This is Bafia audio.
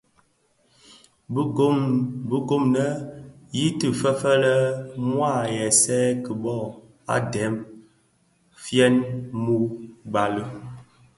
Bi gom yi ti feëfëg lè mua aghèsèè ki boo ndem fyeň mü gbali i.